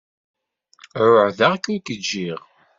Ԑuhdeɣ-k ur k-ǧǧiɣ.